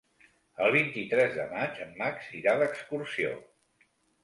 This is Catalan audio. El vint-i-tres de maig en Max irà d'excursió.